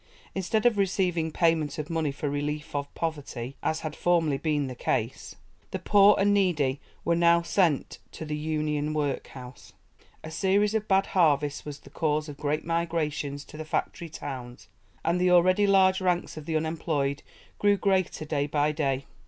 Instead of receiving payment of money for relief of poverty, as had formerly been the case, the poor and needy were now sent to the 'Union' workhouse. A series of bad harvests was the cause of great migrations to the factory towns, and the already large ranks of the unemployed grew greater day by day.